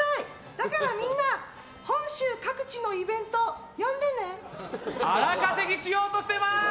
だからみんな本州各地のイベント荒稼ぎしようとしてます！